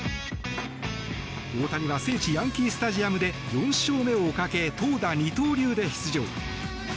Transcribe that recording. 大谷は聖地ヤンキー・スタジアムで４勝目をかけ投打二刀流で出場。